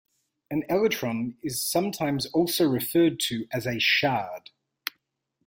An elytron is sometimes also referred to as a shard.